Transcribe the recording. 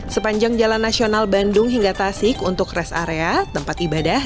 sepanjang jalan nasional bandung hingga tasik untuk rest area tempat ibadah